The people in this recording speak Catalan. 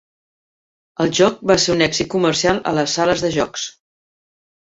El joc va ser un èxit comercial a les sales de jocs.